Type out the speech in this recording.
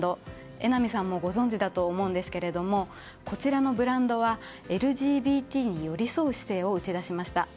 榎並さんもご存じだと思うんですけれどもこちらのブランドはＬＧＢＴに寄り添う姿勢を打ち出しました。